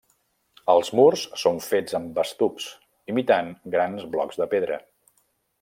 Els murs són fets amb estucs, imitant grans blocs de pedra.